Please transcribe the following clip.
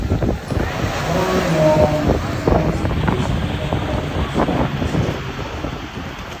Dorman Long was once listed on the London Stock Exchange.